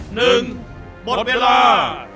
หมดเวลา